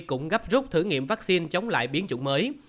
cũng gấp rút thử nghiệm vaccine chống lại biến chủng mới